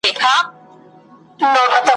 له هر چا یې پټه کړې مدعا وه ,